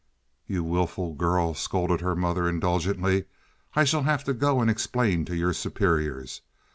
"You wilful girl!" scolded her mother, indulgently. "I shall have to go and explain to your superiors.